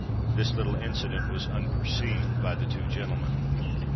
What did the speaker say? This little incident was unperceived by the two gentlemen.